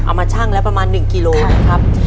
มาชั่งแล้วประมาณ๑กิโลนะครับ